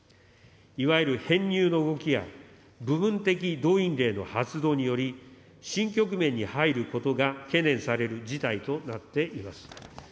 いわゆる編入の動きや、部分的動員令の発動により、新局面に入ることが懸念される事態となっています。